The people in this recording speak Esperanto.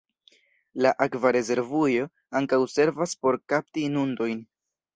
La akva rezervujo ankaŭ servas por kapti inundojn.